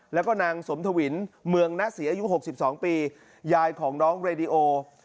แล้วก็นางสมทวินเมืองณศรีอายุ๖๒ปียายของน้องเรดิโอ